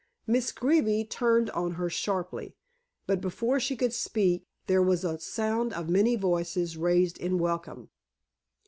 Miss Greeby turned on her sharply, but before she could speak there was a sound of many voices raised in welcome.